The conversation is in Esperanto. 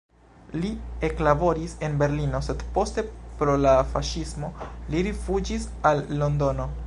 Li eklaboris en Berlino, sed poste pro la faŝismo li rifuĝis al Londono.